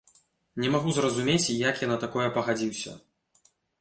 Не магу зразумець, як я на такое пагадзіўся.